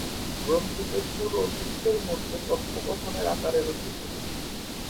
গ্রন্থটি গুরু ও শিষ্যের মধ্যে কথোপকথনের আকারে রচিত।